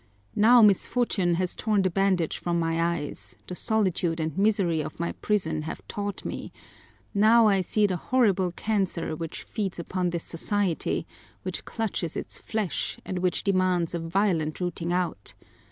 Now misfortune has torn the bandage from my eyes; the solitude and misery of my prison have taught me; now I see the horrible cancer which feeds upon this society, which clutches its flesh, and which demands a violent rooting out.